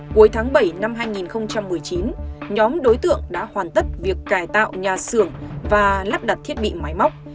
cuối tháng bảy năm hai nghìn một mươi chín nhóm đối tượng đã hoàn tất việc cải tạo nhà xưởng và lắp đặt thiết bị máy móc